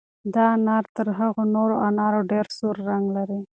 دا انار تر هغو نورو انارو ډېر سور رنګ لري.